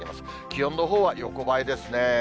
気温のほうは横ばいですね。